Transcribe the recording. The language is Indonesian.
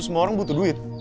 semua orang butuh duit